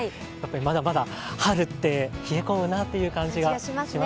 まだまだ春って冷え込むなという感じがしますね。